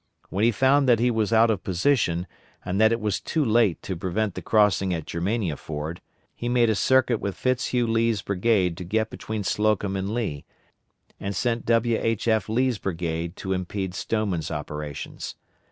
When he found that he was out of position and that it was too late to prevent the crossing at Germania Ford, he made a circuit with Fitz Hugh Lee's brigade to get between Slocum and Lee, and sent W. H. F. Lee's brigade to impede Stoneman's operations.